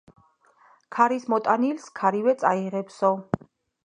ქარის მოტანილის ქარივე წაიღებსო